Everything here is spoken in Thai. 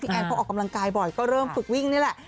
แอนเขาออกกำลังกายบ่อยก็เริ่มฝึกวิ่งนี่แหละ